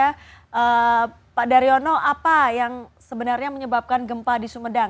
bagaimana pak daryono apa yang sebenarnya menyebabkan gempa di sumedang